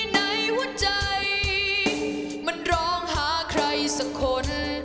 ในหัวใจมันร้องหาใครสักคน